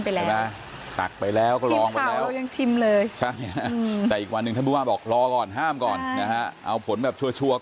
เดี๋ยวต่อไปเนี่ยเขาก็คงจะทำโครงการที่จะเอาน้ำไปใจแจก